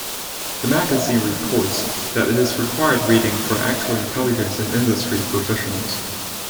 The magazine reports that it is required reading for actual intelligence industry professionals.